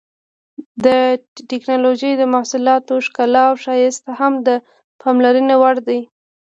د ټېکنالوجۍ د محصولاتو ښکلا او ښایست هم د پاملرنې وړ دي.